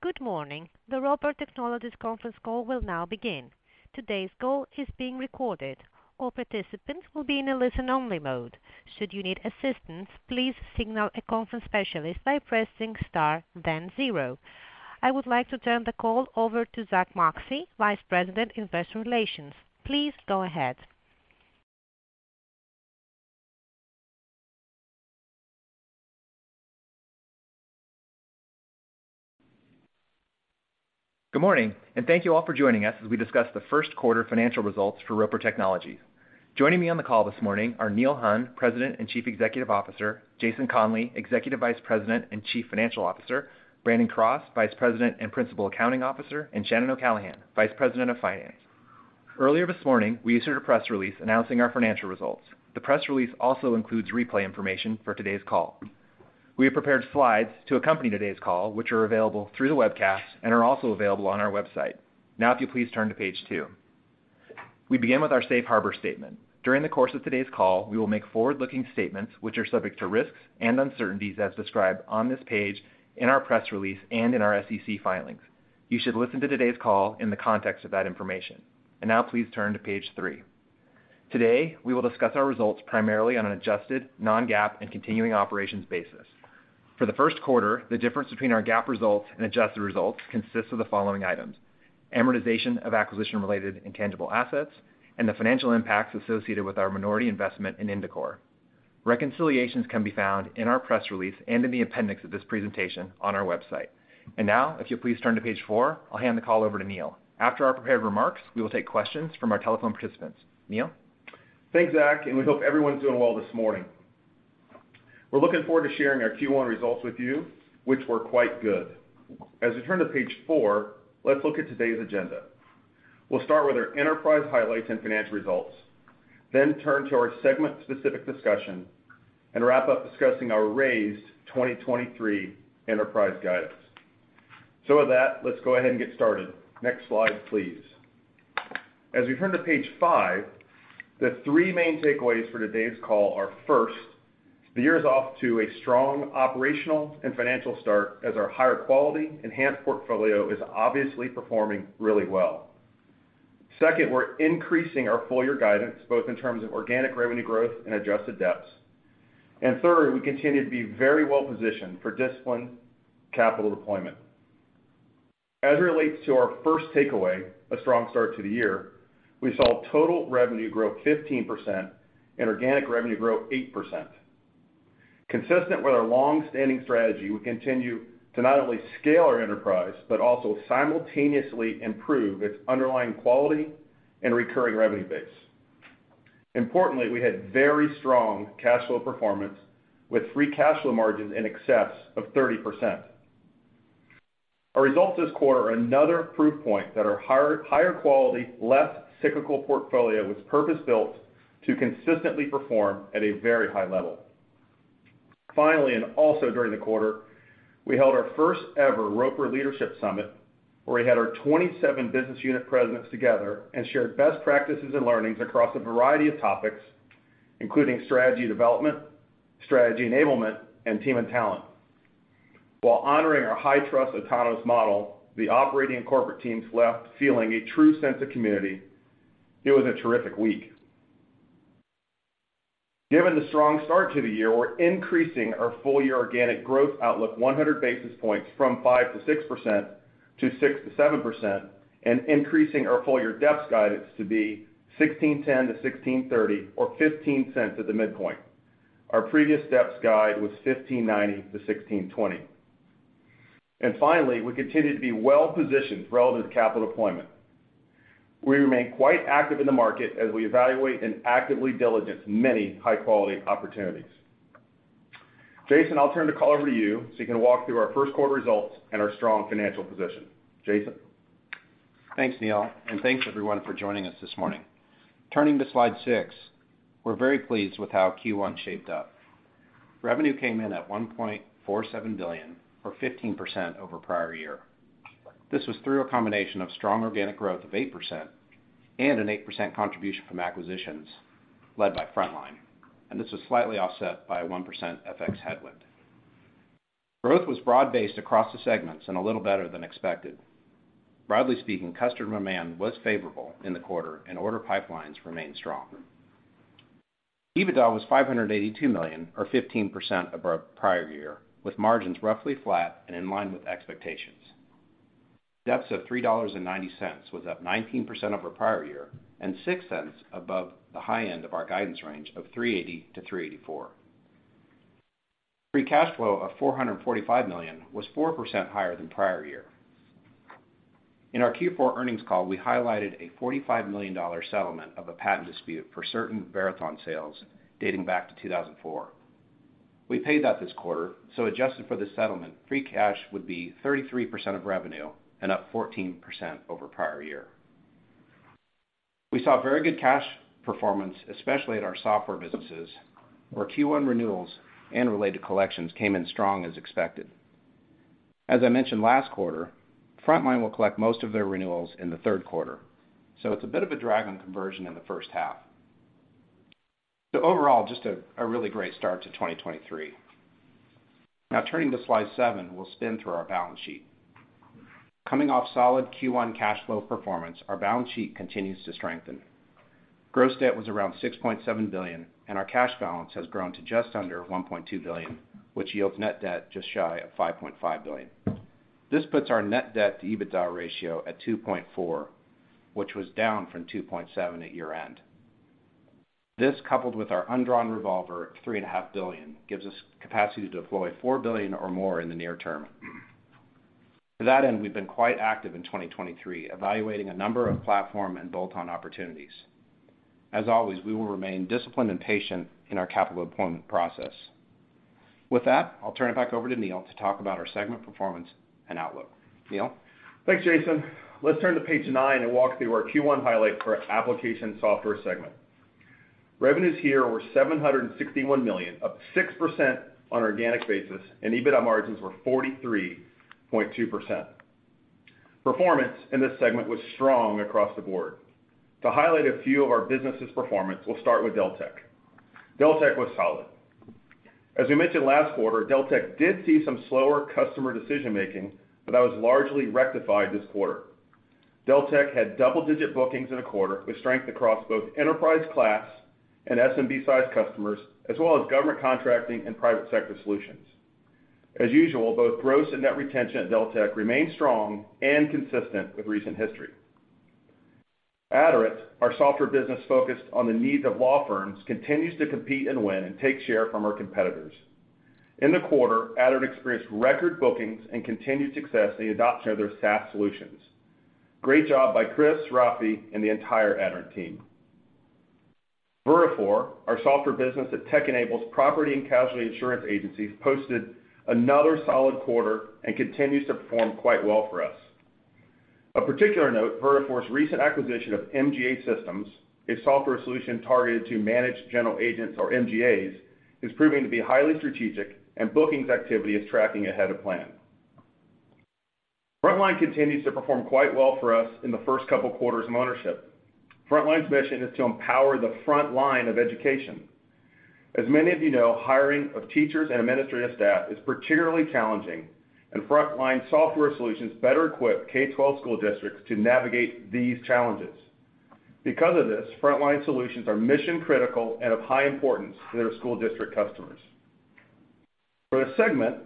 Good morning. The Roper Technologies conference call will now begin. Today's call is being recorded. All participants will be in a listen-only mode. Should you need assistance, please signal a conference specialist by pressing Star, then zero. I would like to turn the call over to Zack Moxcey, Vice President, Investor Relations. Please go ahead. Good morning, thank you all for joining us as we discuss the first quarter financial results for Roper Technologies. Joining me on the call this morning are Neil Hunn, President and Chief Executive Officer, Jason Conley, Executive Vice President and Chief Financial Officer, Brandon Cross, Vice President and Principal Accounting Officer, and Shannon O'Callaghan, Vice President of Finance. Earlier this morning, we issued a press release announcing our financial results. The press release also includes replay information for today's call. We have prepared slides to accompany today's call, which are available through the webcast and are also available on our website. If you please turn to page two. We begin with our safe harbor statement. During the course of today's call, we will make forward-looking statements which are subject to risks and uncertainties as described on this page, in our press release, and in our SEC filings. You should listen to today's call in the context of that information. Now please turn to page 3. Today, we will discuss our results primarily on an adjusted non-GAAP and continuing operations basis. For the first quarter, the difference between our GAAP results and adjusted results consists of the following items: amortization of acquisition-related intangible assets and the financial impacts associated with our minority investment in Indicor. Reconciliations can be found in our press release and in the appendix of this presentation on our website. Now, if you'll please turn to page 4, I'll hand the call over to Neil. After our prepared remarks, we will take questions from our telephone participants. Neil? Thanks, Zack, we hope everyone's doing well this morning. We're looking forward to sharing our Q1 results with you, which were quite good. As we turn to page 4, let's look at today's agenda. We'll start with our enterprise highlights and financial results, then turn to our segment-specific discussion and wrap up discussing our raised 2023 enterprise guidance. With that, let's go ahead and get started. Next slide, please. As we turn to page 5, the three main takeaways for today's call are, first, the year is off to a strong operational and financial start as our higher quality enhanced portfolio is obviously performing really well. Second, we're increasing our full year guidance, both in terms of organic revenue growth and adjusted DEPS. Third, we continue to be very well positioned for disciplined capital deployment. As it relates to our first takeaway, a strong start to the year, we saw total revenue grow 15% and organic revenue grow 8%. Consistent with our long-standing strategy, we continue to not only scale our enterprise, but also simultaneously improve its underlying quality and recurring revenue base. Importantly, we had very strong cash flow performance with free cash flow margins in excess of 30%. Our results this quarter are another proof point that our higher quality, less cyclical portfolio was purpose-built to consistently perform at a very high level. Finally, and also during the quarter, we held our first ever Roper Leadership Summit, where we had our 27 business unit presidents together and shared best practices and learnings across a variety of topics, including strategy development, strategy enablement, and team and talent. While honoring our high-trust autonomous model, the operating corporate teams left feeling a true sense of community. It was a terrific week. Given the strong start to the year, we're increasing our full year organic growth outlook 100 basis points from 5%-6% to 6%-7% and increasing our full year DEPS guidance to be $16.10-$16.30 or $0.15 at the midpoint. Our previous DEPS guide was $15.90-$16.20. Finally, we continue to be well-positioned for relative capital deployment. We remain quite active in the market as we evaluate and actively diligence many high-quality opportunities. Jason, I'll turn the call over to you so you can walk through our first quarter results and our strong financial position. Jason? Thanks, Neil. Thanks everyone for joining us this morning. Turning to slide 6, we're very pleased with how Q1 shaped up. Revenue came in at $1.47 billion or 15% over prior year. This was through a combination of strong organic growth of 8% and an 8% contribution from acquisitions led by Frontline. This was slightly offset by a 1% FX headwind. Growth was broad-based across the segments and a little better than expected. Broadly speaking, customer demand was favorable in the quarter and order pipelines remained strong. EBITDA was $582 million or 15% above prior year, with margins roughly flat and in line with expectations. DEPS of $3.90 was up 19% over prior year and $0.06 above the high end of our guidance range of $3.80-$3.84. Free cash flow of $445 million was 4% higher than prior year. In our Q4 earnings call, we highlighted a $45 million settlement of a patent dispute for certain Verathon sales dating back to 2004. We paid that this quarter. Adjusted for this settlement, free cash would be 33% of revenue and up 14% over prior year. We saw very good cash performance, especially at our software businesses, where Q1 renewals and related collections came in strong as expected. As I mentioned last quarter, Frontline will collect most of their renewals in the third quarter. It's a bit of a drag on conversion in the first half. Overall, just a really great start to 2023. Turning to slide 7, we'll spin through our balance sheet. Coming off solid Q1 cash flow performance, our balance sheet continues to strengthen. Gross debt was around $6.7 billion, and our cash balance has grown to just under $1.2 billion, which yields net debt just shy of $5.5 billion. This puts our net debt to EBITDA ratio at 2.4, which was down from 2.7 at year-end. This, coupled with our undrawn revolver at $3.5 billion, gives us capacity to deploy $4 billion or more in the near term. To that end, we've been quite active in 2023, evaluating a number of platform and bolt-on opportunities. As always, we will remain disciplined and patient in our capital deployment process. With that, I'll turn it back over to Neil to talk about our segment performance and outlook. Neil? Thanks, Jason. Let's turn to page 9 and walk through our Q1 highlight for our application software segment. Revenues here were $761 million, up 6% on an organic basis, and EBITDA margins were 43.2%. Performance in this segment was strong across the board. To highlight a few of our business's performance, we'll start with Deltek. Deltek was solid. As we mentioned last quarter, Deltek did see some slower customer decision-making, but that was largely rectified this quarter. Deltek had double-digit bookings in the quarter, with strength across both enterprise class and SMB-sized customers, as well as government contracting and private sector solutions. As usual, both gross and net retention at Deltek remain strong and consistent with recent history. Aderant, our software business focused on the needs of law firms, continues to compete and win and take share from our competitors. In the quarter, Aderant experienced record bookings and continued success in the adoption of their SaaS solutions. Great job by Chris, Rafi, and the entire Aderant team. Vertafore, our software business that tech-enables property and casualty insurance agencies, posted another solid quarter and continues to perform quite well for us. Of particular note, Vertafore's recent acquisition of MGA Systems, a software solution targeted to managed general agents or MGAs, is proving to be highly strategic and bookings activity is tracking ahead of plan. Frontline continues to perform quite well for us in the first couple quarters of ownership. Frontline's mission is to empower the front line of education. As many of you know, hiring of teachers and administrative staff is particularly challenging, Frontline software solutions better equip K-12 school districts to navigate these challenges. Because of this, Frontline solutions are mission-critical and of high importance to their school district customers. For the segment,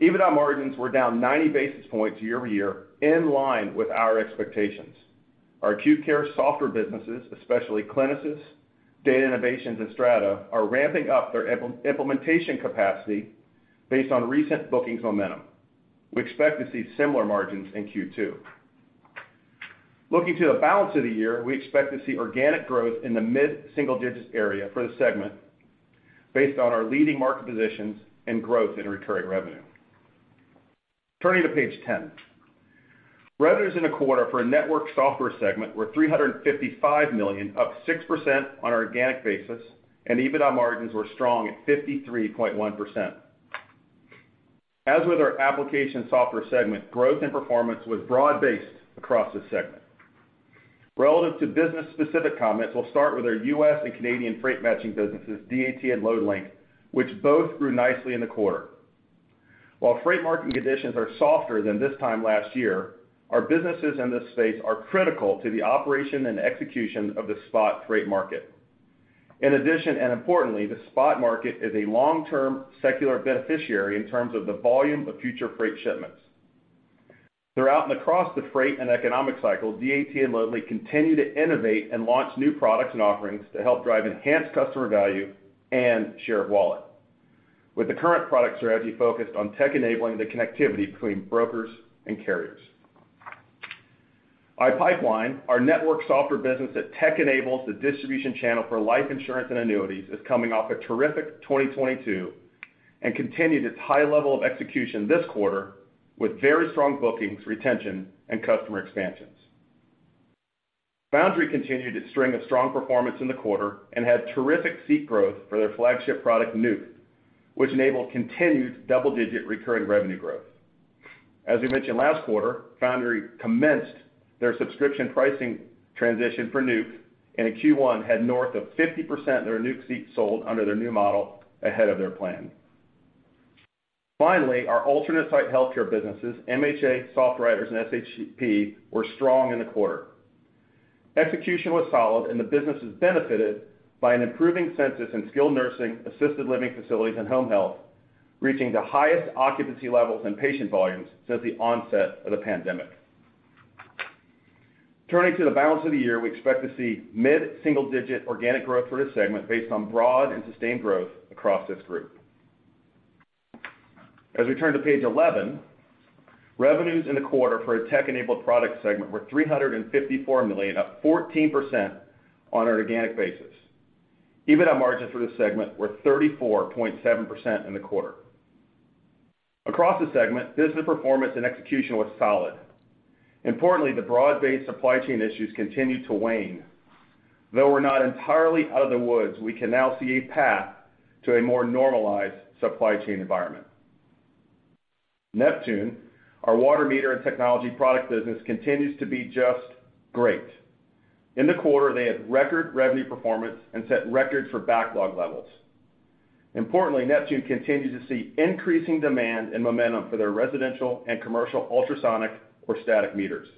EBITDA margins were down 90 basis points year-over-year, in line with our expectations. Our acute care software businesses, especially Clinisys, Data Innovations, and Strata, are ramping up their implementation capacity based on recent bookings momentum. We expect to see similar margins in Q2. Looking to the balance of the year, we expect to see organic growth in the mid-single digits area for the segment based on our leading market positions and growth in recurring revenue. Turning to page 10. Revenues in the quarter for our network software segment were $355 million, up 6% on an organic basis, and EBITDA margins were strong at 53.1%. As with our application software segment, growth and performance was broad-based across the segment. Relative to business-specific comments, we'll start with our U.S. and Canadian freight matching businesses, DAT and Loadlink, which both grew nicely in the quarter. While freight market conditions are softer than this time last year, our businesses in this space are critical to the operation and execution of the spot freight market. In addition, and importantly, the spot market is a long-term secular beneficiary in terms of the volume of future freight shipments. Throughout and across the freight and economic cycle, DAT and Loadlink continue to innovate and launch new products and offerings to help drive enhanced customer value and share of wallet. With the current product strategy focused on tech-enabling the connectivity between brokers and carriers. iPipeline, our network software business that tech-enables the distribution channel for life insurance and annuities, is coming off a terrific 2022 and continued its high level of execution this quarter with very strong bookings, retention, and customer expansions. Foundry continued its string of strong performance in the quarter and had terrific seat growth for their flagship product, Nuke, which enabled continued double-digit recurring revenue growth. As we mentioned last quarter, Foundry commenced their subscription pricing transition for Nuke, and in Q1 had north of 50% of their Nuke seats sold under their new model ahead of their plan. Finally, our alternate site healthcare businesses, MHA, SoftWriters, and SHP, were strong in the quarter. Execution was solid, and the businesses benefited by an improving census in skilled nursing, assisted living facilities, and home health, reaching the highest occupancy levels and patient volumes since the onset of the pandemic. Turning to the balance of the year, we expect to see mid-single-digit organic growth for this segment based on broad and sustained growth across this group. As we turn to page 11, revenues in the quarter for our tech-enabled products segment were $354 million, up 14% on an organic basis. EBITDA margins for this segment were 34.7% in the quarter. Across the segment, business performance and execution was solid. Importantly, the broad-based supply chain issues continued to wane. Though we're not entirely out of the woods, we can now see a path to a more normalized supply chain environment. Neptune, our water meter and technology product business continues to be just great. In the quarter, they had record revenue performance and set records for backlog levels. Importantly, Neptune continues to see increasing demand and momentum for their residential and commercial ultrasonic or static meters.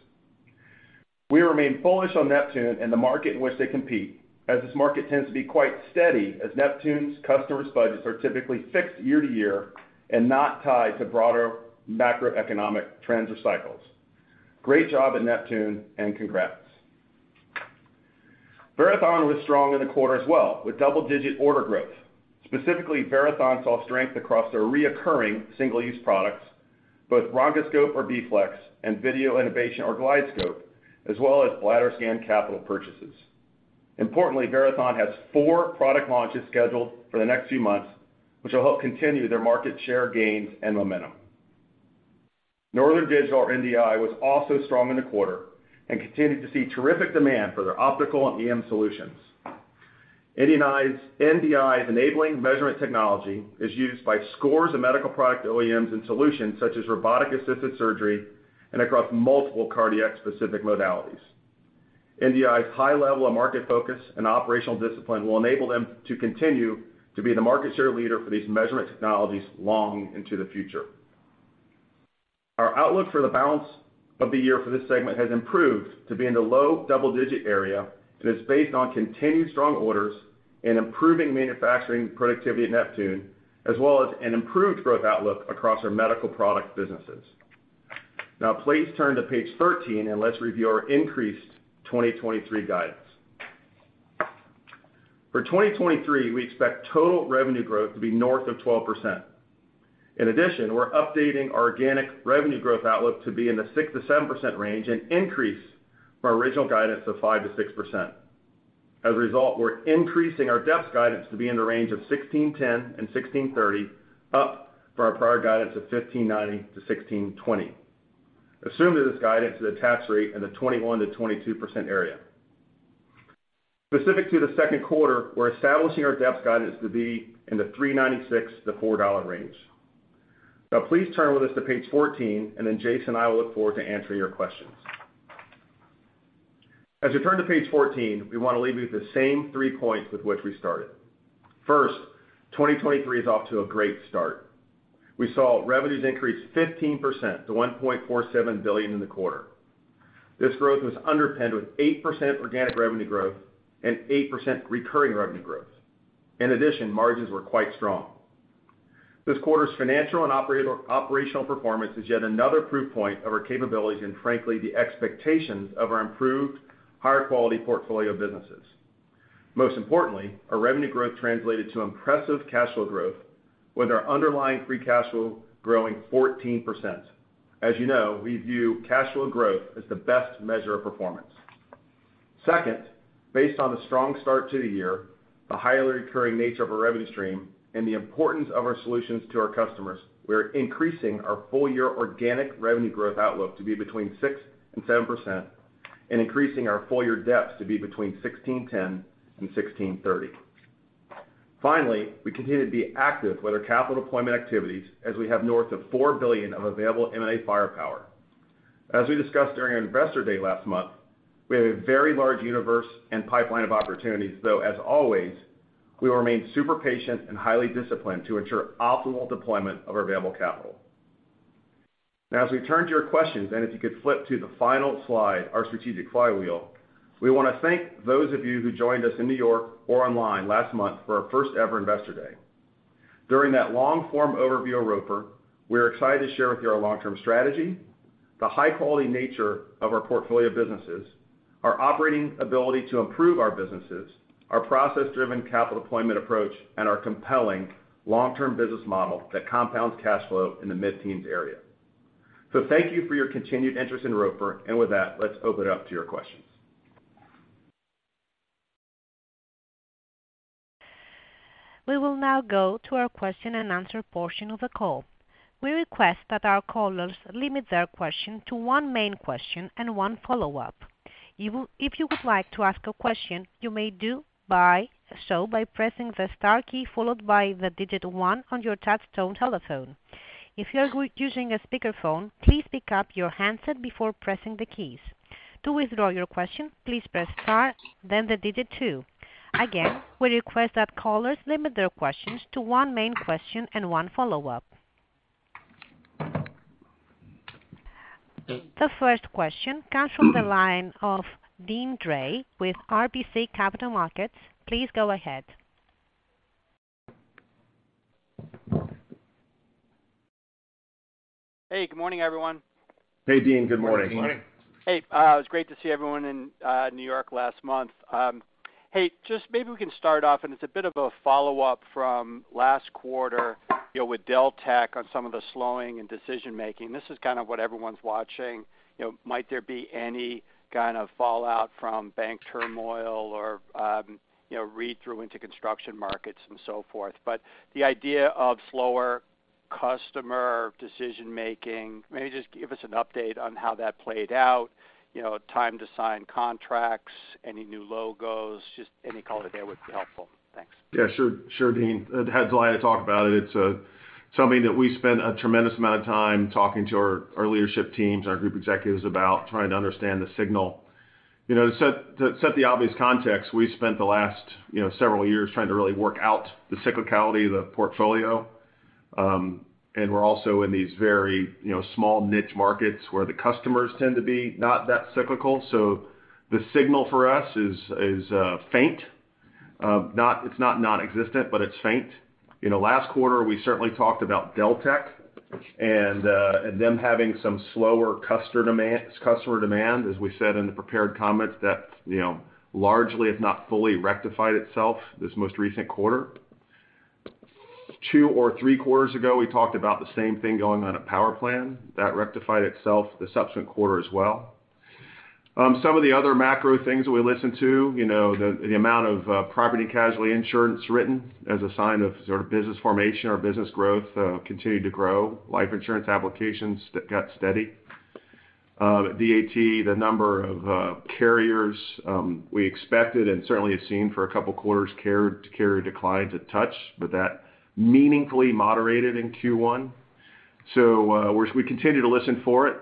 We remain bullish on Neptune and the market in which they compete, as this market tends to be quite steady as Neptune's customers' budgets are typically fixed year to year and not tied to broader macroeconomic trends or cycles. Great job at Neptune, congrats. Verathon was strong in the quarter as well, with double-digit order growth. Specifically, Verathon saw strength across their reoccurring single-use products, both bronchoscope or BFlex and Video Innovation or GlideScope, as well as BladderScan capital purchases. Importantly, Verathon has four product launches scheduled for the next few months, which will help continue their market share gains and momentum. Northern Digital or NDI was also strong in the quarter and continued to see terrific demand for their optical and EM solutions. NDI's enabling measurement technology is used by scores of medical product OEMs and solutions such as robotic-assisted surgery and across multiple cardiac-specific modalities. NDI's high level of market focus and operational discipline will enable them to continue to be the market share leader for these measurement technologies long into the future. Our outlook for the balance of the year for this segment has improved to be in the low double-digit area and is based on continued strong orders and improving manufacturing productivity at Neptune, as well as an improved growth outlook across our medical product businesses. Now please turn to page 13, and let's review our increased 2023 guidance. For 2023, we expect total revenue growth to be north of 12%. In addition, we're updating our organic revenue growth outlook to be in the 6%-7% range, an increase from our original guidance of 5%-6%. As a result, we're increasing our DEPS guidance to be in the range of $16.10-$16.30, up from our prior guidance of $15.90-$16.20. Assume that this guidance is a tax rate in the 21%-22% area. Specific to the second quarter, we're establishing our DEPS guidance to be in the $3.96-$4.00 range. Please turn with us to page 14. Jason and I will look forward to answering your questions. As you turn to page 14, we want to leave you with the same 3 points with which we started. First, 2023 is off to a great start. We saw revenues increase 15% to $1.47 billion in the quarter. This growth was underpinned with 8% organic revenue growth and 8% recurring revenue growth. In addition, margins were quite strong. This quarter's financial and operational performance is yet another proof point of our capabilities and frankly, the expectations of our improved higher-quality portfolio of businesses. Most importantly, our revenue growth translated to impressive cash flow growth, with our underlying free cash flow growing 14%. As you know, we view cash flow growth as the best measure of performance. Second, based on the strong start to the year, the highly recurring nature of our revenue stream, and the importance of our solutions to our customers, we're increasing our full-year organic revenue growth outlook to be between 6% and 7% and increasing our full-year DEPS to be between $16.10 and $16.30. Finally, we continue to be active with our capital deployment activities as we have north of $4 billion of available M&A firepower. As we discussed during our Investor Day last month, we have a very large universe and pipeline of opportunities, though, as always, we will remain super patient and highly disciplined to ensure optimal deployment of our available capital. As we turn to your questions, if you could flip to the final slide, our strategic flywheel, we want to thank those of you who joined us in New York or online last month for our first-ever Investor Day. During that long-form overview of Roper, we are excited to share with you our long-term strategy, the high-quality nature of our portfolio of businesses, our operating ability to improve our businesses, our process-driven capital deployment approach, and our compelling long-term business model that compounds cash flow in the mid-teens area. Thank you for your continued interest in Roper. With that, let's open it up to your questions. We will now go to our question-and-answer portion of the call. We request that our callers limit their question to one main question and one follow-up. If you would like to ask a question, you may do so by pressing the star key followed by the digit one on your touch tone telephone. If you are using a speakerphone, please pick up your handset before pressing the keys. To withdraw your question, please press star, then the digit two. Again, we request that callers limit their questions to one main question and one follow-up. The first question comes from the line of Deane Dray with RBC Capital Markets. Please go ahead. Hey, good morning, everyone. Hey, Deane. Good morning. Hey, it was great to see everyone in New York last month. Hey, just maybe we can start off. It's a bit of a follow-up from last quarter, you know, with Deltek on some of the slowing and decision-making. This is kind of what everyone's watching. You know, might there be any kind of fallout from bank turmoil or, you know, read through into construction markets and so forth. The idea of slower Customer decision-making. Maybe just give us an update on how that played out, you know, time to sign contracts, any new logos, just any color there would be helpful. Thanks. Yeah. Sure, Deane. I'm glad to talk about it. It's something that we spend a tremendous amount of time talking to our leadership teams, our group executives about trying to understand the signal. You know, to set the obvious context, we spent the last, you know, several years trying to really work out the cyclicality of the portfolio. We're also in these very, you know, small niche markets where the customers tend to be not that cyclical. The signal for us is faint. It's not nonexistent, but it's faint. You know, last quarter, we certainly talked about Deltek and them having some slower customer demand, as we said in the prepared comments, that, you know, largely, if not fully rectified itself this most recent quarter. Two or three quarters ago, we talked about the same thing going on at PowerPlan, that rectified itself the subsequent quarter as well. Some of the other macro things that we listened to, you know, the amount of property casualty insurance written as a sign of sort of business formation or business growth continued to grow. Life insurance applications got steady. DAT, the number of carriers, we expected and certainly have seen for a couple of quarters carrier declines a touch, but that meaningfully moderated in Q1. We continue to listen for it.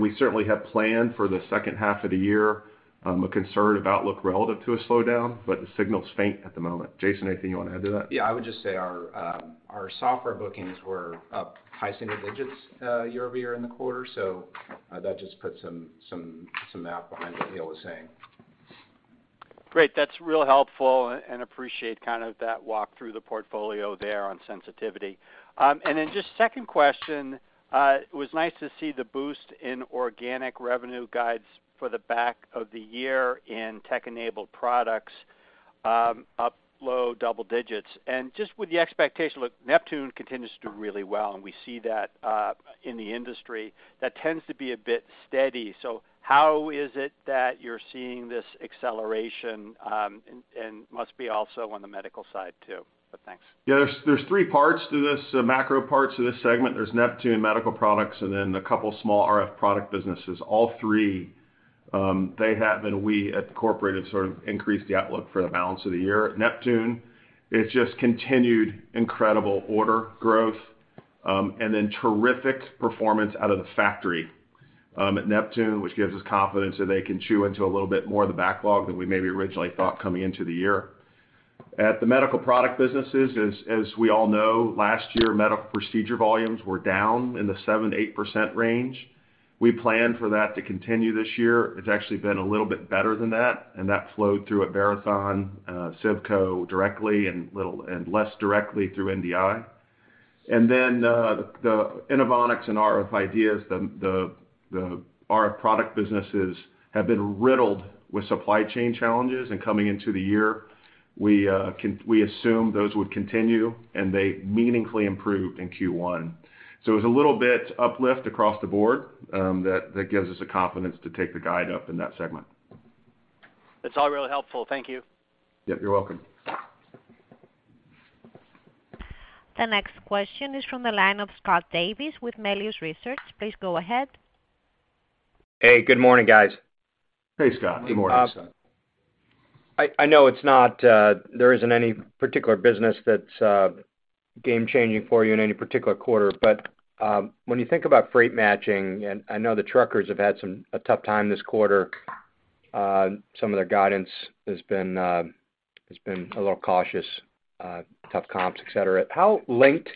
We certainly have planned for the second half of the year, a conservative outlook relative to a slowdown, but the signal's faint at the moment. Jason, anything you wanna add to that? Yeah. I would just say our software bookings were up high single digits, year-over-year in the quarter. That just puts some math behind what Neil was saying. Great. That's real helpful and appreciate kind of that walk through the portfolio there on sensitivity. Then just second question, it was nice to see the boost in organic revenue guides for the back of the year in tech-enabled products, up low double digits. Just with the expectation, look, Neptune continues to do really well, and we see that, in the industry, that tends to be a bit steady. How is it that you're seeing this acceleration, and must be also on the medical side too? Thanks. Yeah. There's 3 parts to this, macro parts of this segment. There's Neptune, medical products, and then a couple small RF product businesses. All 3, we at the corporate have sort of increased the outlook for the balance of the year. Neptune, it's just continued incredible order growth, and then terrific performance out of the factory at Neptune, which gives us confidence that they can chew into a little bit more of the backlog than we maybe originally thought coming into the year. At the medical product businesses, as we all know, last year, medical procedure volumes were down in the 7%-8% range. We planned for that to continue this year. It's actually been a little bit better than that, and that flowed through at Verathon, CIVCO directly and less directly through NDI. Then, the Inovonics and rf IDEAS, the RF product businesses have been riddled with supply chain challenges. Coming into the year, we assumed those would continue, and they meaningfully improved in Q1. It's a little bit uplift across the board, that gives us the confidence to take the guide up in that segment. That's all really helpful. Thank you. Yep, you're welcome. The next question is from the line of Scott Davis with Melius Research. Please go ahead. Hey, good morning, guys. Hey, Scott. Good morning. Hey, Scott. I know it's not, there isn't any particular business that's, game changing for you in any particular quarter. When you think about freight matching, and I know the truckers have had a tough time this quarter, some of their guidance has been a little cautious, tough comps, et cetera. How linked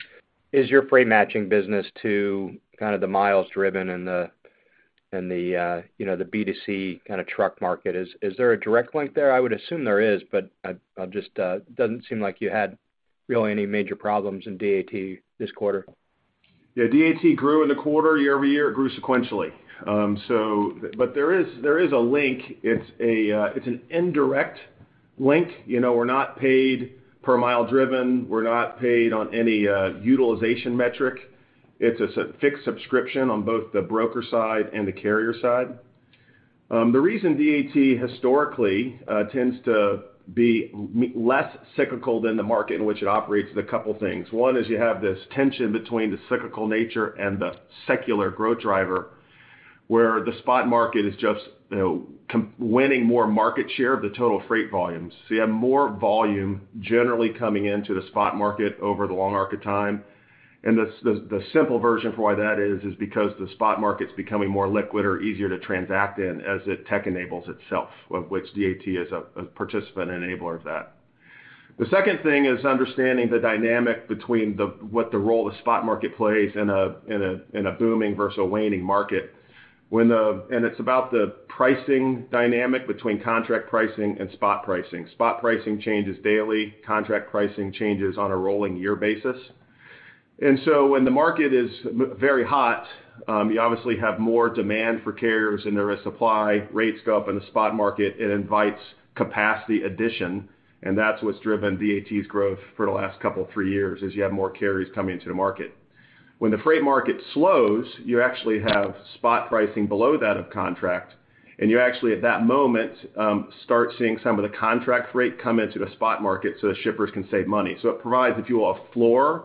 is your freight matching business to kind of the miles driven and the, and the, you know, the B2C kinda truck market? Is there a direct link there? I would assume there is, but I'll just, doesn't seem like you had really any major problems in DAT this quarter. Yeah. DAT grew in the quarter year-over-year. It grew sequentially. There is a link. It's an indirect link. You know, we're not paid per mile driven. We're not paid on any utilization metric. It's a fixed subscription on both the broker side and the carrier side. The reason DAT historically tends to be less cyclical than the market in which it operates is a couple things. One is you have this tension between the cyclical nature and the secular growth driver, where the spot market is just, you know, winning more market share of the total freight volumes. You have more volume generally coming into the spot market over the long arc of time. The simple version for why that is because the spot market's becoming more liquid or easier to transact in as it tech-enables itself, of which DAT is a participant and enabler of that. The second thing is understanding the dynamic between what the role the spot market plays in a booming versus a waning market. It's about the pricing dynamic between contract pricing and spot pricing. Spot pricing changes daily. Contract pricing changes on a rolling year basis. When the market is very hot, you obviously have more demand for carriers than there is supply. Rates go up in the spot market. It invites capacity addition, and that's what's driven DAT's growth for the last 2, 3 years, is you have more carriers coming into the market. When the freight market slows, you actually have spot pricing below that of contract, and you actually at that moment, start seeing some of the contract freight come into the spot market so the shippers can save money. It provides, if you will, a floor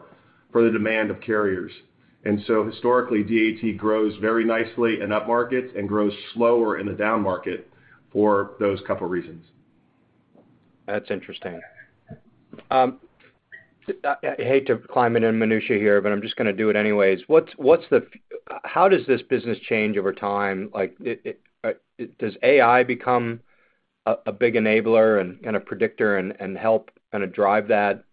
for the demand of carriers. Historically, DAT grows very nicely in up markets and grows slower in the down market for those couple reasons. That's interesting. I hate to climb into minutiae here, I'm just gonna do it anyways. What's how does this business change over time? Like, does AI become a big enabler and a predictor and help kinda drive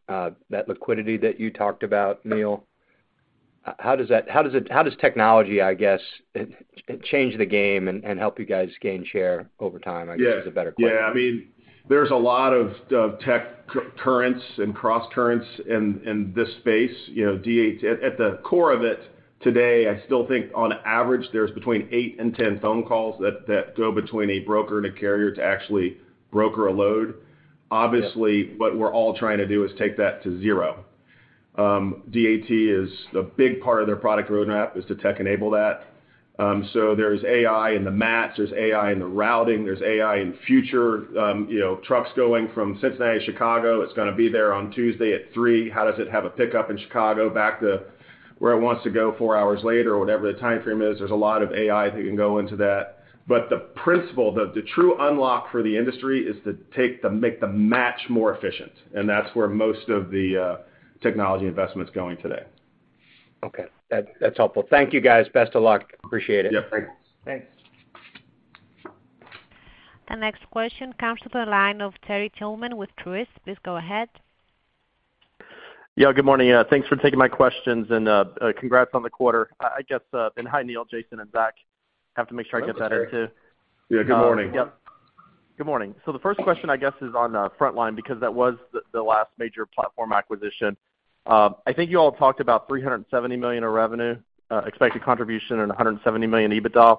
that liquidity that you talked about, Neil? How does technology, I guess, change the game and help you guys gain share over time, I guess, is a better question. Yeah. I mean, there's a lot of tech currents and crosscurrents in this space. You know, at the core of it today, I still think on average there's between 8 and 10 phone calls that go between a broker and a carrier to actually broker a load. Yeah. Obviously, what we're all trying to do is take that to zero. DAT is a big part of their product roadmap is to tech enable that. There's AI in the match, there's AI in the routing, there's AI in future. You know, trucks going from Cincinnati to Chicago, it's gonna be there on Tuesday at 3. How does it have a pickup in Chicago back to where it wants to go 4 hours later or whatever the timeframe is? There's a lot of AI that can go into that. The principle, the true unlock for the industry is to make the match more efficient, and that's where most of the technology investment's going today. Okay. That's helpful. Thank you, guys. Best of luck. Appreciate it. Yeah. Thanks. The next question comes from the line of Terry Tillman with Truist. Please go ahead. Yeah, good morning. Thanks for taking my questions and, congrats on the quarter. I guess, hi, Neil, Jason, and Zack. Have to make sure I get that in too. Yeah, good morning. Yep. Good morning. The first question, I guess, is on Frontline, because that was the last major platform acquisition. I think you all talked about $370 million of revenue expected contribution and $170 million EBITDA.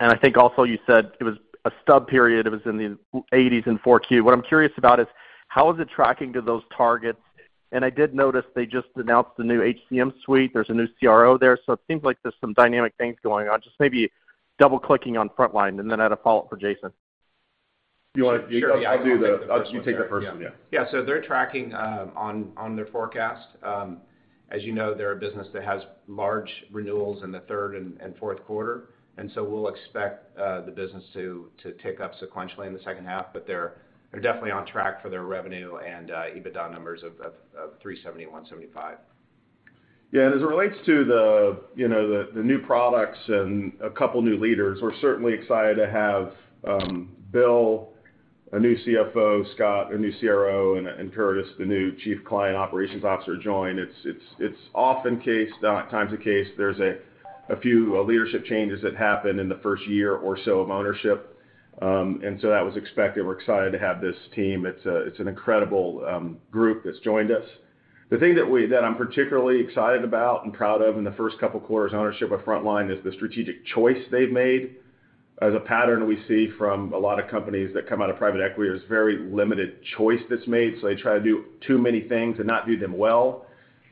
I think also you said it was a stub period. It was in the 80s in 4Q. What I'm curious about is, how is it tracking to those targets? I did notice they just announced the new HCM suite. There's a new CRO there, so it seems like there's some dynamic things going on. Just maybe double-clicking on Frontline, and then I had a follow-up for Jason. You want to- Sure. Yeah, I'll do. I'll let you take that first one, yeah. Yeah, they're tracking on their forecast. As you know, they're a business that has large renewals in the third and fourth quarter. we'll expect the business to tick up sequentially in the second half. they're definitely on track for their revenue and EBITDA numbers of $370, $175. As it relates to the, you know, the new products and a couple new leaders, we're certainly excited to have Bill, a new CFO, Scott, a new CRO, and Curtis, the new Chief Client Operations Officer join. It's often case, not times the case, there's a few leadership changes that happen in the first year or so of ownership. That was expected. We're excited to have this team. It's an incredible group that's joined us. The thing that I'm particularly excited about and proud of in the first couple quarters of ownership of Frontline is the strategic choice they've made. As a pattern we see from a lot of companies that come out of private equity, there's very limited choice that's made, so they try to do too many things and not do them well.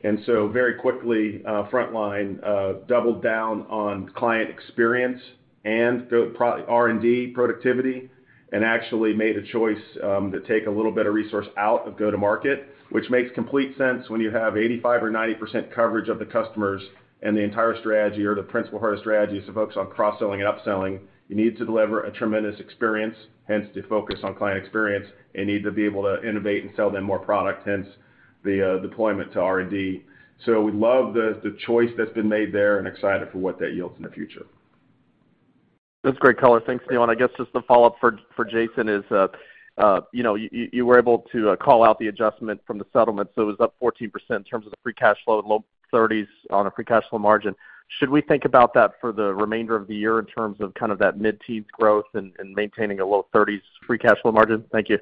Very quickly, Frontline doubled down on client experience and R&D productivity, and actually made a choice to take a little bit of resource out of go-to-market, which makes complete sense when you have 85% or 90% coverage of the customers and the entire strategy or the principle heart of strategy is to focus on cross-selling and upselling. You need to deliver a tremendous experience, hence the focus on client experience, and need to be able to innovate and sell them more product, hence the deployment to R&D. We love the choice that's been made there and excited for what that yields in the future. That's great color. Thanks, Neil. I guess just a follow-up for Jason is, you know, you were able to call out the adjustment from the settlement, so it was up 14% in terms of the free cash flow, low 30s on a free cash flow margin. Should we think about that for the remainder of the year in terms of kind of that mid-teens growth and maintaining a low 30s free cash flow margin? Thank you.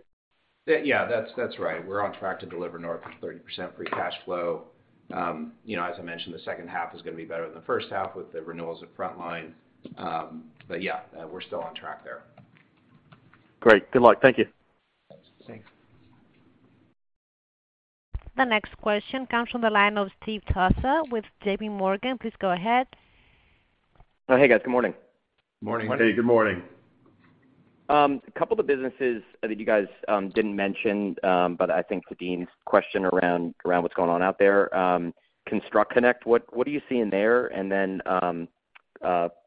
Yeah, that's right. We're on track to deliver north of 30% free cash flow. you know, as I mentioned, the second half is gonna be better than the first half with the renewals at Frontline. Yeah, we're still on track there. Great. Good luck. Thank you. Thanks. The next question comes from the line of Steve Tusa with J.P. Morgan. Please go ahead. Oh, hey, guys. Good morning. Morning. Morning. Hey, good morning. A couple of businesses that you guys didn't mention, but I think to Deane's question around what's going on out there, ConstructConnect, what are you seeing there? Then,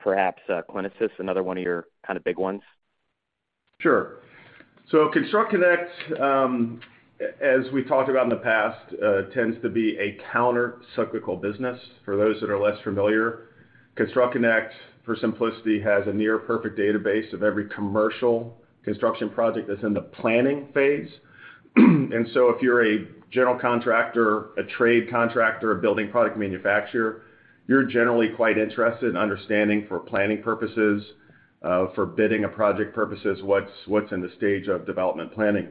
perhaps, Clinisys, another one of your kind of big ones. Sure. ConstructConnect, as we talked about in the past, tends to be a counter-cyclical business for those that are less familiar. ConstructConnect, for simplicity, has a near perfect database of every commercial construction project that's in the planning phase. If you're a general contractor, a trade contractor, a building product manufacturer, you're generally quite interested in understanding for planning purposes, for bidding a project purposes, what's in the stage of development planning.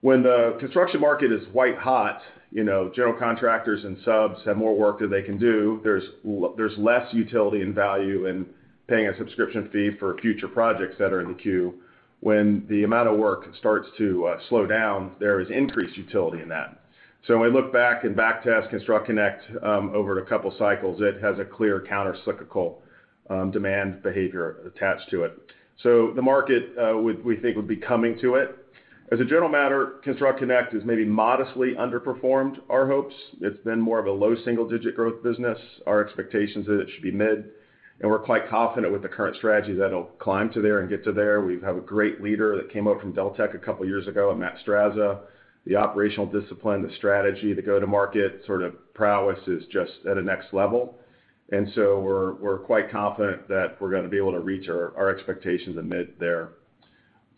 When the construction market is white-hot, you know, general contractors and subs have more work than they can do. There's less utility and value in paying a subscription fee for future projects that are in the queue. When the amount of work starts to slow down, there is increased utility in that. When we look back and back test ConstructConnect, over a couple of cycles, it has a clear counter-cyclical demand behavior attached to it. The market, we think would be coming to it. As a general matter, ConstructConnect is maybe modestly underperformed our hopes. It's been more of a low single-digit growth business. Our expectations is it should be mid, and we're quite confident with the current strategy that it'll climb to there and get to there. We have a great leader that came out from Deltek a couple of years ago, Matt Strazza. The operational discipline, the strategy, the go-to-market sort of prowess is just at the next level. We're quite confident that we're gonna be able to reach our expectations and mid there.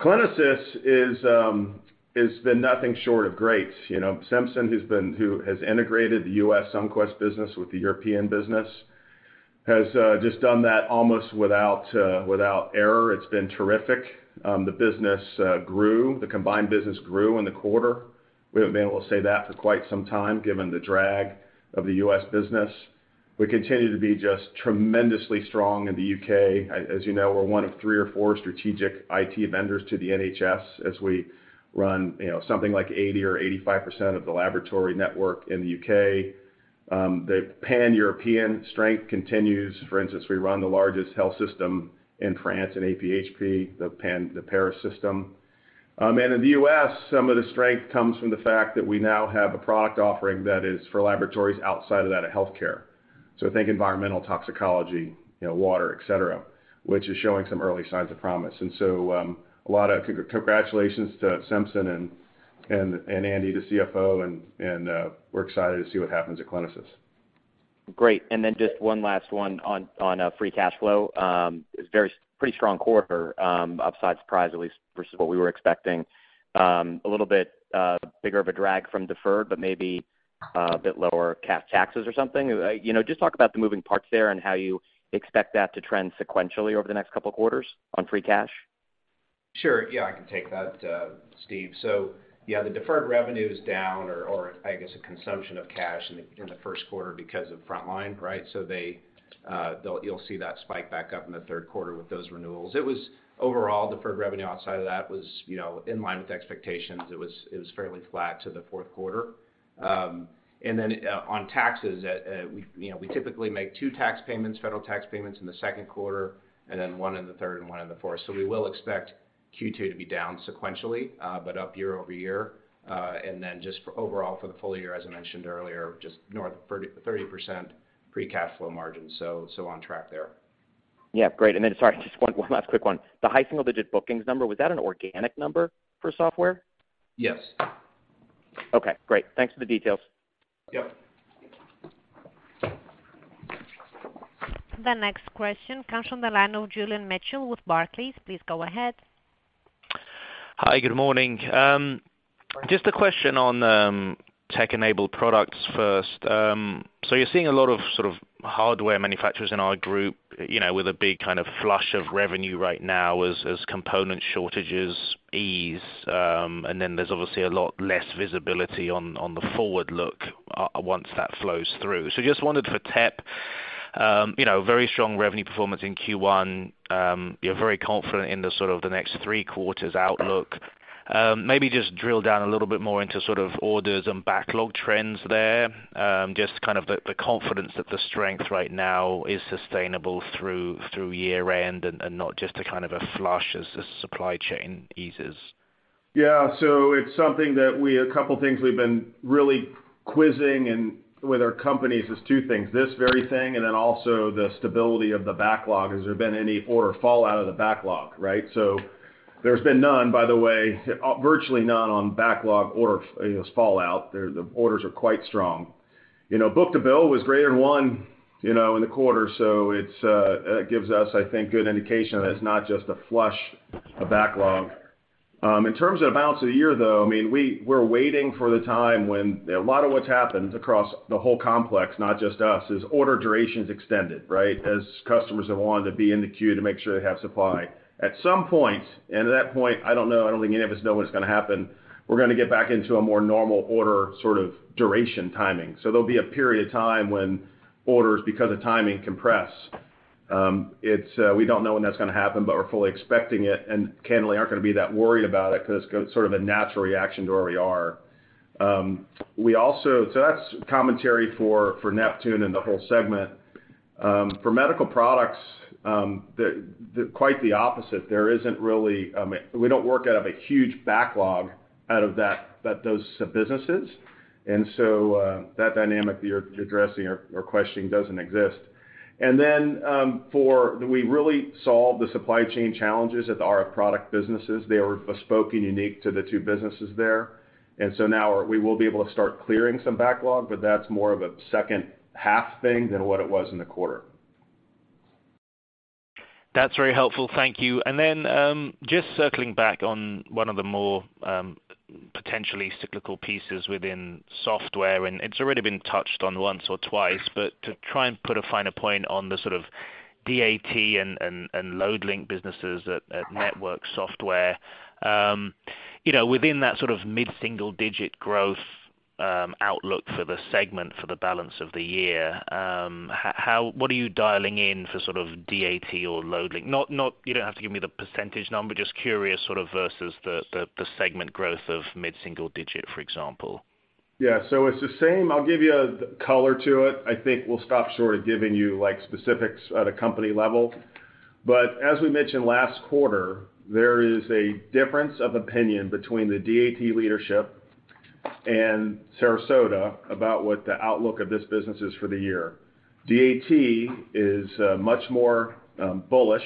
Clinisys is has been nothing short of great. You know, Simpson, who has integrated the U.S. Sunquest business with the European business, has just done that almost without error. It's been terrific. The business grew. The combined business grew in the quarter. We haven't been able to say that for quite some time, given the drag of the U.S. business. We continue to be just tremendously strong in the U.K. As you know, we're one of three or four strategic IT vendors to the NHS as we run, something like 80% or 85% of the laboratory network in the U.K. The pan-European strength continues. For instance, we run the largest health system in France and AP-HP, the Paris system. In the U.S., some of the strength comes from the fact that we now have a product offering that is for laboratories outside of that of healthcare. Think environmental toxicology, you know, water, et cetera, which is showing some early signs of promise. A lot of congratulations to Simpson and Andy, the CFO, and, we're excited to see what happens at Clinisys. Great. Then just one last one on free cash flow. It's pretty strong quarter, upside surprise, at least versus what we were expecting. A little bit bigger of a drag from deferred, maybe, a bit lower cash taxes or something. You know, just talk about the moving parts there and how you expect that to trend sequentially over the next couple of quarters on free cash. Sure. Yeah, I can take that, Steve. Yeah, the deferred revenue is down or I guess, a consumption of cash in the 1st quarter because of Frontline, right? They, you'll see that spike back up in the 3rd quarter with those renewals. It was overall deferred revenue outside of that was, you know, in line with expectations. It was fairly flat to the 4th quarter. Then on taxes, we, you know, we typically make 2 tax payments, federal tax payments in the 2nd quarter and then 1 in the 3rd and 1 in the 4th. We will expect Q2 to be down sequentially, but up year-over-year. Just for overall for the full year, as I mentioned earlier, just north of 30% free cash flow margin. On track there. Yeah. Great. Then, sorry, just one last quick one. The high single-digit bookings number, was that an organic number for software? Yes. Okay, great. Thanks for the details. Yep. The next question comes from the line of Julian Mitchell with Barclays. Please go ahead. Hi. Good morning. Just a question on tech-enabled products first. You're seeing a lot of sort of hardware manufacturers in our group, you know, with a big kind of flush of revenue right now as component shortages ease. And then there's obviously a lot less visibility on the forward look once that flows through. Just wondered for TEP, you know, very strong revenue performance in Q1. You're very confident in the sort of the next 3 quarters outlook. Maybe just drill down a little bit more into sort of orders and backlog trends there. Just kind of the confidence that the strength right now is sustainable through year-end and not just a kind of a flush as the supply chain eases. Yeah. It's something that a couple of things we've been really quizzing with our companies is two things, this very thing, and then also the stability of the backlog. Has there been any order fallout of the backlog, right? There's been none, by the way, virtually none on backlog order, you know, fallout. The orders are quite strong. You know, book to bill was greater than 1, you know, in the quarter, so it's, that gives us, I think, good indication that it's not just a flush of backlog. In terms of balance of the year, though, I mean, we're waiting for the time when a lot of what's happened across the whole complex, not just us, is order duration is extended, right? As customers have wanted to be in the queue to make sure they have supply. At some point, at that point, I don't know, I don't think any of us know when it's gonna happen, we're gonna get back into a more normal order sort of duration timing. There'll be a period of time when orders, because of timing, compress. It's, we don't know when that's gonna happen, but we're fully expecting it, and candidly, aren't gonna be that worried about it because it's sort of a natural reaction to where we are. That's commentary for Neptune and the whole segment. For medical products, quite the opposite. There isn't really, I mean, we don't work out of a huge backlog out of that those businesses. That dynamic that you're addressing or questioning doesn't exist. We really solved the supply chain challenges at the RF product businesses. They were bespoke and unique to the two businesses there. Now we will be able to start clearing some backlog, but that's more of a second half thing than what it was in the quarter. That's very helpful. Thank you. Then, just circling back on one of the more, potentially cyclical pieces within software, and it's already been touched on once or twice, but to try and put a finer point on the sort of DAT and Loadlink businesses at Network Software. You know, within that sort of mid-single-digit growth outlook for the segment for the balance of the year, what are you dialing in for sort of DAT or Loadlink? You don't have to give me the percentage number, just curious, sort of versus the segment growth of mid-single digit, for example. It's the same. I'll give you a color to it. I think we'll stop short of giving you, like, specifics at a company level. As we mentioned last quarter, there is a difference of opinion between the DAT leadership and Sarasota about what the outlook of this business is for the year. DAT is much more bullish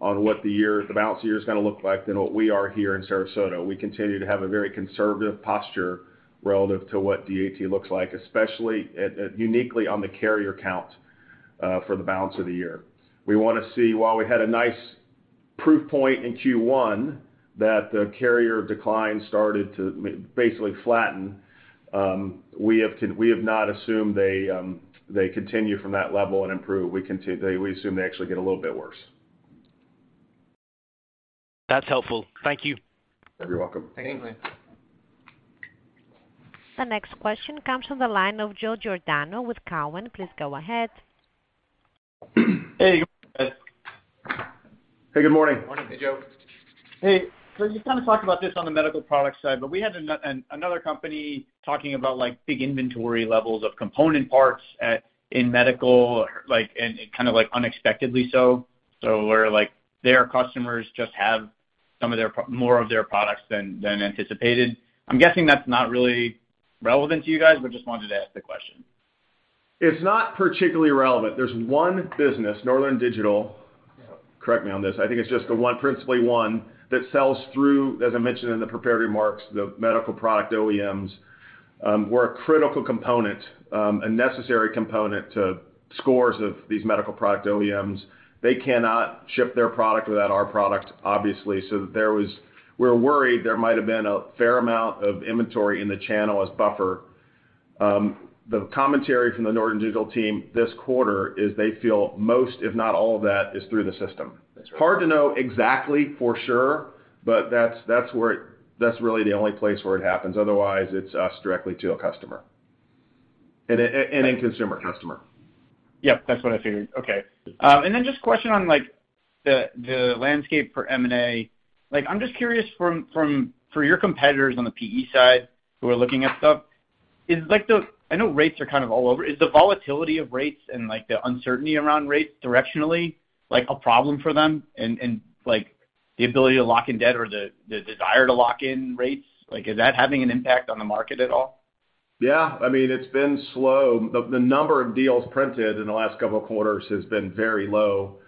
on what the year, the balance of the year is gonna look like than what we are here in Sarasota. We continue to have a very conservative posture relative to what DAT looks like, especially uniquely on the carrier count for the balance of the year. We wanna see, while we had a nice proof point in Q1 that the carrier decline started to basically flatten, we have not assumed they continue from that level and improve. We assume they actually get a little bit worse. That's helpful. Thank you. You're welcome. Thank you. The next question comes from the line of Joe Giordano with Cowen. Please go ahead. Hey, good morning. Hey, good morning. Morning. Hey, Joe. Hey. You kinda talked about this on the medical product side, but we had another company talking about, like, big inventory levels of component parts at, in medical, like, and kinda, like, unexpectedly so where, like, their customers just have some of their more of their products than anticipated. I'm guessing that's not really relevant to you guys, but just wanted to ask the question. It's not particularly relevant. There's one business, Northern Digital, correct me on this, I think it's just the one, principally one that sells through, as I mentioned in the prepared remarks, the medical product OEMs, we're a critical component, a necessary component to scores of these medical product OEMs. They cannot ship their product without our product, obviously. We were worried there might have been a fair amount of inventory in the channel as buffer. The commentary from the Northern Digital team this quarter is they feel most, if not all of that is through the system. That's right. It's hard to know exactly for sure, but that's really the only place where it happens. Otherwise, it's us directly to a customer. A consumer customer. Yep, that's what I figured. Okay. Just a question on, like, the landscape for M&A. Like, I'm just curious from for your competitors on the PE side who are looking at stuff, is like the... I know rates are kind of all over. Is the volatility of rates and, like, the uncertainty around rates directionally, like, a problem for them? The ability to lock in debt or the desire to lock in rates, like, is that having an impact on the market at all? Yeah. I mean, it's been slow. The number of deals printed in the last couple of quarters has been very low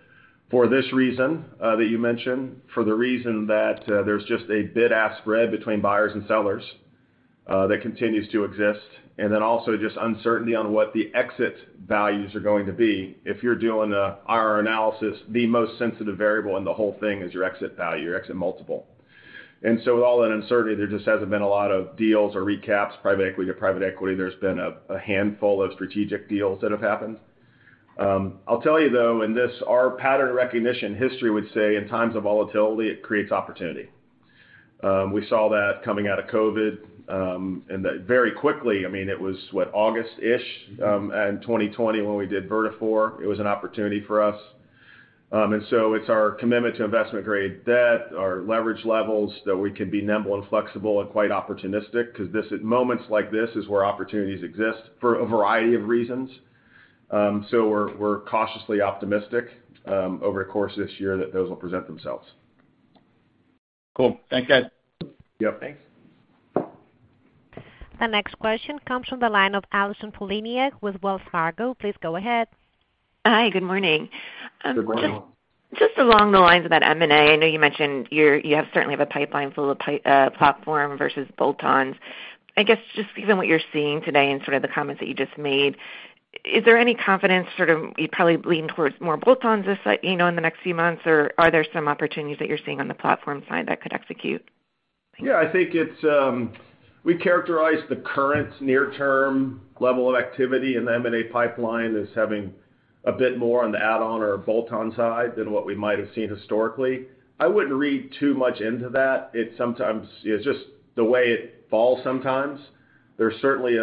for this reason that you mentioned, for the reason that there's just a bid-ask spread between buyers and sellers that continues to exist. Also just uncertainty on what the exit values are going to be. If you're doing our analysis, the most sensitive variable in the whole thing is your exit value, your exit multiple. With all that uncertainty, there just hasn't been a lot of deals or recaps, private equity to private equity. There's been a handful of strategic deals that have happened. I'll tell you, though, in this, our pattern recognition history would say in times of volatility, it creates opportunity. We saw that coming out of COVID, and that very quickly, I mean, it was, what, August-ish, in 2020 when we did Vertafore. It was an opportunity for us. It's our commitment to investment-grade debt, our leverage levels, that we can be nimble and flexible and quite opportunistic 'cause moments like this is where opportunities exist for a variety of reasons. We're, we're cautiously optimistic, over the course of this year that those will present themselves. Cool. Thanks, guys. Yep. Thanks. The next question comes from the line of Allison Poliniak-Cusic with Wells Fargo. Please go ahead. Hi, good morning. Good morning. Just along the lines of that M&A, I know you mentioned you have certainly have a pipeline full of platform versus bolt-ons. I guess just given what you're seeing today and sort of the comments that you just made, is there any confidence sort of you'd probably lean towards more bolt-ons this, you know, in the next few months? Or are there some opportunities that you're seeing on the platform side that could execute? Yeah, I think it's. We characterize the current near-term level of activity in the M&A pipeline as having a bit more on the add-on or bolt-on side than what we might have seen historically. I wouldn't read too much into that. It's sometimes, you know, just the way it falls sometimes. There's certainly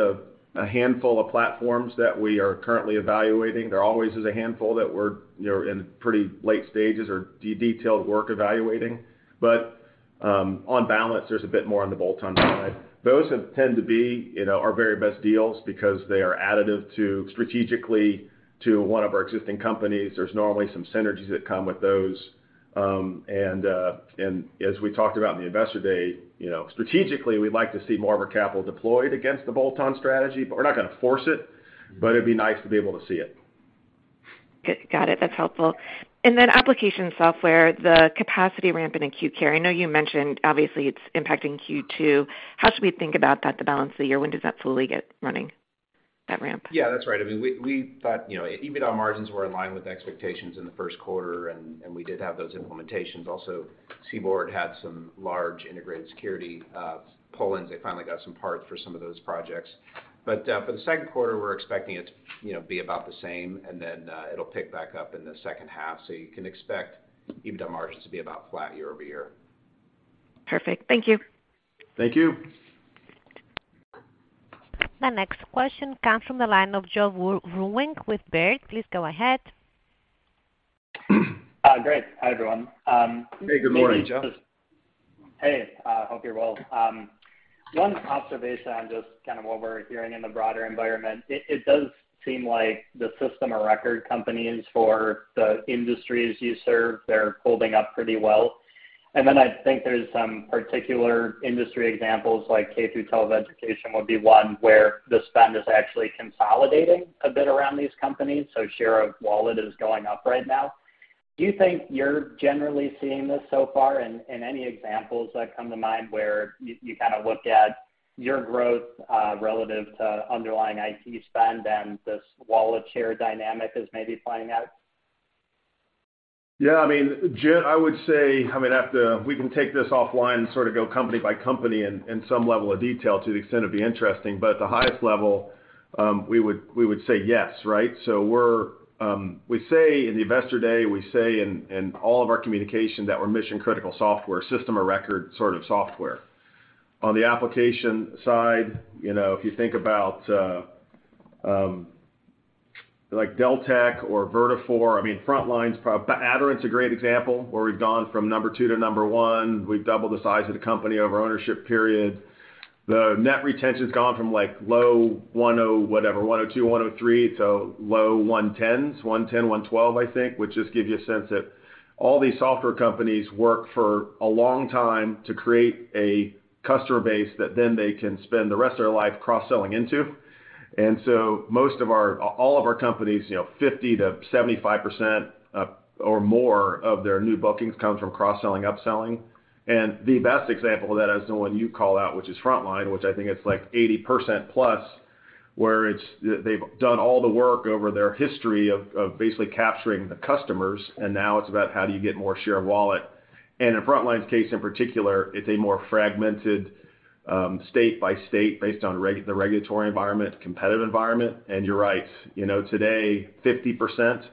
a handful of platforms that we are currently evaluating. There always is a handful that we're, you know, in pretty late stages or de-detailed work evaluating. On balance, there's a bit more on the bolt-on side. Those have tend to be, you know, our very best deals because they are additive to, strategically, to one of our existing companies. There's normally some synergies that come with those. As we talked about in the Investor Day, you know, strategically, we'd like to see more of our capital deployed against the bolt-on strategy, but we're not gonna force it, but it'd be nice to be able to see it. Got it. That's helpful. Then application software, the capacity ramp in Acute Care. I know you mentioned obviously it's impacting Q2. How should we think about that, the balance of the year? When does that fully get running, that ramp? Yeah, that's right. I mean, we thought, you know, EBITDA margins were in line with expectations in the first quarter, and we did have those implementations. Also, Seaboard had some large integrated security pull-ins. They finally got some parts for some of those projects. For the second quarter, we're expecting it to, you know, be about the same, it'll pick back up in the second half. You can expect EBITDA margins to be about flat year-over-year. Perfect. Thank you. Thank you. The next question comes from the line of Joe Vruwink with Baird. Please go ahead. Great. Hi, everyone. Hey, good morning, Joe. Hey, hope you're well. One observation on just kind of what we're hearing in the broader environment. It does seem like the system-of-record companies for the industries you serve, they're holding up pretty well. Then I think there's some particular industry examples like K-12 education would be one where the spend is actually consolidating a bit around these companies. Share of wallet is going up right now. Do you think you're generally seeing this so far? Any examples that come to mind where you kind of look at your growth relative to underlying IT spend and this wallet share dynamic is maybe playing out? Yeah, I mean, I would say, I mean, I have to. We can take this offline and sort of go company by company in some level of detail to the extent it'd be interesting. At the highest level, we would say yes, right? We're, we say in the Investor Day, we say in all of our communication that we're mission-critical software, system-of-record sort of software. On the application side, you know, if you think about, like Deltek or Vertafore, I mean, Aderant's a great example where we've gone from number 2 to number 1. We've doubled the size of the company over ownership period. The net retention's gone from like low 100 whatever, 102, 103 to low 110s, 110, 112, I think, which just gives you a sense that all these software companies work for a long time to create a customer base that then they can spend the rest of their life cross-selling into. All of our companies, you know, 50%-75% or more of their new bookings come from cross-selling, upselling. The best example of that is the one you call out, which is Frontline, which I think it's like 80%+, where it's they've done all the work over their history of basically capturing the customers, and now it's about how do you get more share of wallet. In Frontline's case, in particular, it's a more fragmented, state by state based on the regulatory environment, competitive environment. You're right, you know, today, 50%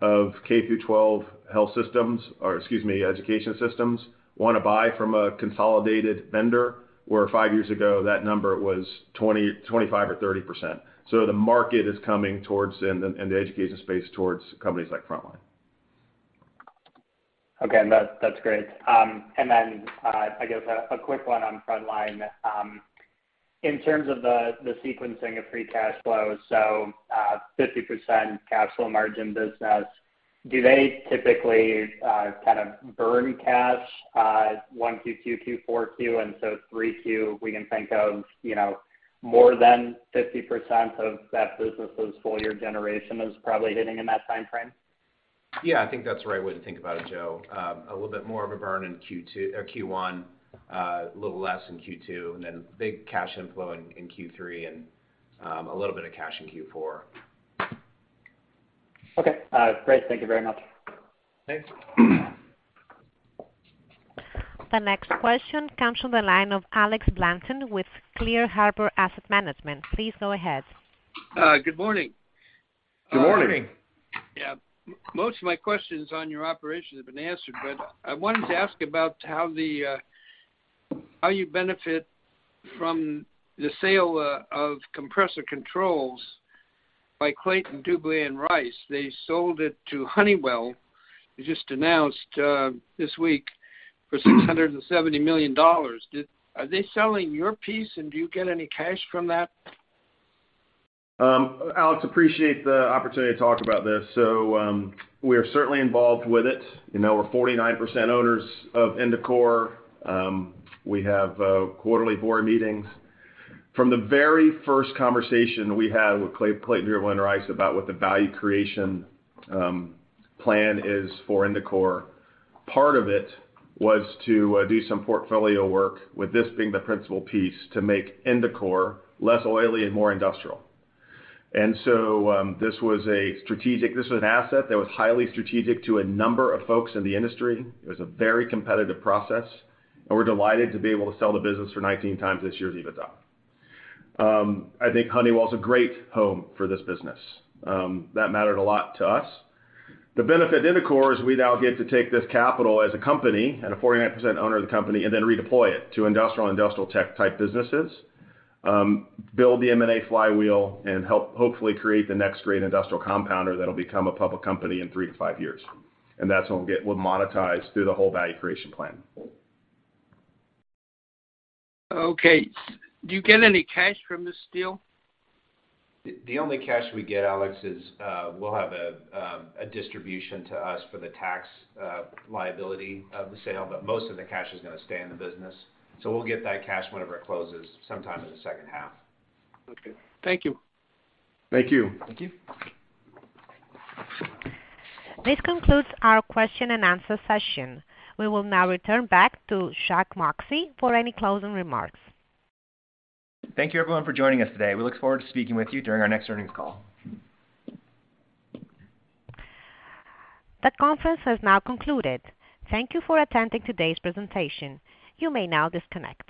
of K-12 health systems or, excuse me, education systems wanna buy from a consolidated vendor. Where 5 years ago, that number was 20%, 25% or 30%. The market is coming towards, in the education space, towards companies like Frontline. Okay. That's, that's great. I guess a quick one on Frontline. In terms of the sequencing of free cash flow, 50% capsule margin business, do they typically kind of burn cash 1 Q2, Q4Q, 3 Q, we can think of, you know, more than 50% of that business' full year generation is probably hitting in that timeframe? Yeah, I think that's the right way to think about it, Joe. A little bit more of a burn in Q2 or Q1, a little less in Q2, and then big cash inflow in Q3, and, a little bit of cash in Q4. Okay. Great. Thank you very much. Thanks. The next question comes from the line of Alex Blanton with Clear Harbor Asset Management. Please go ahead. Good morning. Good morning. Good morning. Yeah. Most of my questions on your operations have been answered, but I wanted to ask about how the how you benefit from the sale of compressor controls by Clayton, Dubilier & Rice. They sold it to Honeywell. They just announced this week for $670 million. Are they selling your piece, and do you get any cash from that? Alex, appreciate the opportunity to talk about this. We are certainly involved with it. You know, we're 49% owners of Indicor. We have quarterly board meetings. From the very first conversation we had with Clayton, Dubilier & Rice about what the value creation plan is for Indicor, part of it was to do some portfolio work with this being the principal piece to make Indicor less oily and more industrial. This was an asset that was highly strategic to a number of folks in the industry. It was a very competitive process, and we're delighted to be able to sell the business for 19 times this year's EBITDA. I think Honeywell is a great home for this business. That mattered a lot to us. The benefit to Indicor is we now get to take this capital as a company and a 49% owner of the company and then redeploy it to industrial and industrial tech type businesses, build the M&A flywheel, and help hopefully create the next great industrial compounder that'll become a public company in 3-5 years. That's what we'll monetize through the whole value creation plan. Okay. Do you get any cash from this deal? The only cash we get, Alex, is we'll have a distribution to us for the tax liability of the sale, but most of the cash is gonna stay in the business. We'll get that cash whenever it closes, sometime in the second half. Okay. Thank you. Thank you. Thank you. This concludes our question and answer session. We will now return back to Zack Moxcey for any closing remarks. Thank you everyone for joining us today. We look forward to speaking with you during our next earnings call. The conference has now concluded. Thank you for attending today's presentation. You may now disconnect.